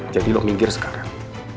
jadi lo minggir sekarang